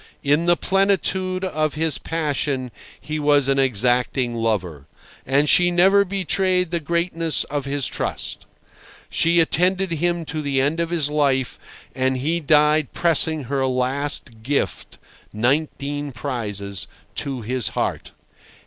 In the plenitude of his passion he was an exacting lover. And she never betrayed the greatness of his trust! She attended him to the end of his life, and he died pressing her last gift (nineteen prizes) to his heart.